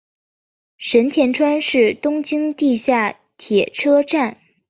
神田川是东京地下铁车站。